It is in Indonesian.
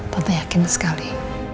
tante yakin sekali